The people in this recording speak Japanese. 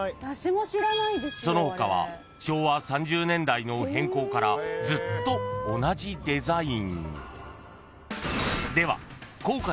［その他は昭和３０年代の変更からずっと同じデザイン］